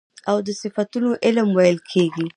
او د صفتونو علم ويل کېږي .